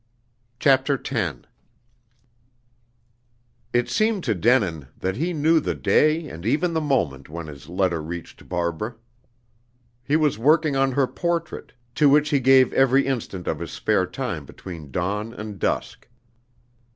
CHAPTER X It seemed to Denin that he knew the day and even the moment when his letter reached Barbara. He was working on her portrait, to which he gave every instant of his spare time between dawn and dusk.